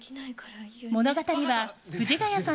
物語は藤ヶ谷さん